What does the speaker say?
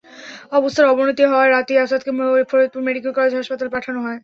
অবস্থার অবনতি হওয়ায় রাতেই আসাদকে ফরিদপুর মেডিকেল কলেজ হাসপাতালে পাঠানো হয়।